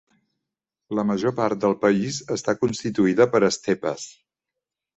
La major part del país està constituïda per estepes.